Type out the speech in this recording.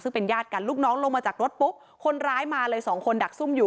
ซึ่งเป็นญาติกันลูกน้องลงมาจากรถปุ๊บคนร้ายมาเลยสองคนดักซุ่มอยู่